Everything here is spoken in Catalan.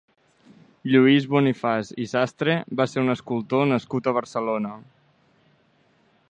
Lluís Bonifaç i Sastre va ser un escultor nascut a Barcelona.